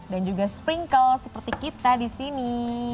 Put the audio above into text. dan juga sprinkle seperti kita disini